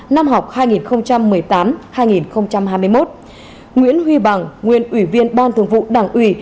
năm học hai nghìn một mươi tám hai nghìn hai mươi một nguyễn huy bằng nguyên ủy viên ban thường vụ đảng ủy